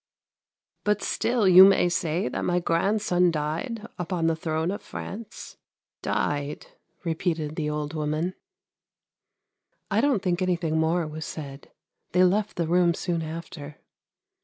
'' But still you may say that my grandson died upon the throne of France. Died! ' repeated the old woman. I don't think anything more was said; they left the room soon after.